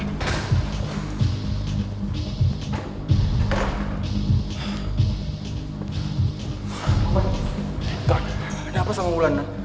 roman kak ada apa sama wulan